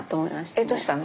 えどうしたの？